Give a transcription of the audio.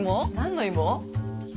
何のイモ？